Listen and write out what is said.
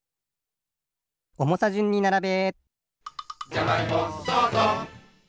おもさじゅんにならべ！